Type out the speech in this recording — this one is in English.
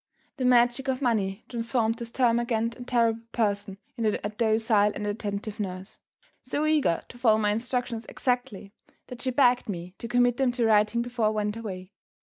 The magic of money transformed this termagant and terrible person into a docile and attentive nurse so eager to follow my instructions exactly that she begged me to commit them to writing before I went away.